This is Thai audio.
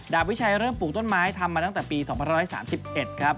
วิชัยเริ่มปลูกต้นไม้ทำมาตั้งแต่ปี๒๑๓๑ครับ